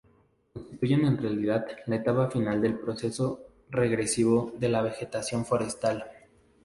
Constituyen, en realidad, la etapa final del proceso regresivo de la vegetación forestal.